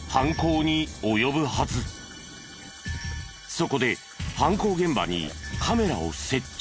そこで犯行現場にカメラを設置。